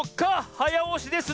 はやおしです。